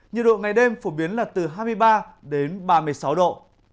nhiệt độ ngày đêm phổ biến là từ hai mươi ba đến ba mươi sáu độ